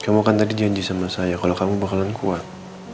kamu kan tadi janji sama saya kalau kamu bakalan kuat